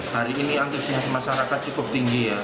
hari ini antusias masyarakat cukup tinggi ya